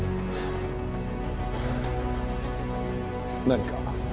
何か？